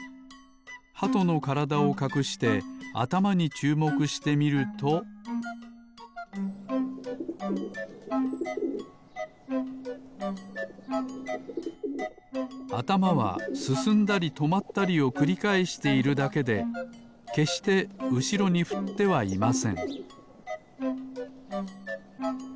ハトのからだをかくしてあたまにちゅうもくしてみるとあたまはすすんだりとまったりをくりかえしているだけでけっしてうしろにふってはいません